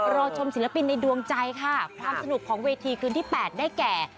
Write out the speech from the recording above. รอชมศิลปินในดวงใจค่ะความสนุกของเวทีคืนที่๘ได้แก่